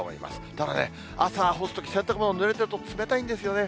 ただね、朝は干すとき、洗濯物、ぬれてると冷たいんですよね。